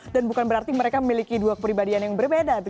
dan bukan berarti mereka memiliki dua keperibadian yang berbeda